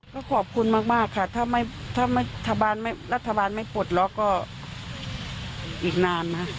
ก็ขอบคุณมากค่ะถ้ารัฐบาลไม่ปลดล็อกก็อีกนานนะ